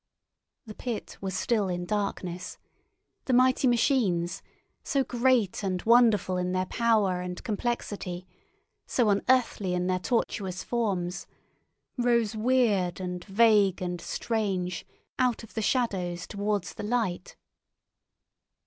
The pit was still in darkness; the mighty engines, so great and wonderful in their power and complexity, so unearthly in their tortuous forms, rose weird and vague and strange out of the shadows towards the light.